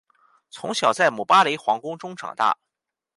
从小在姆巴雷皇宫中长大。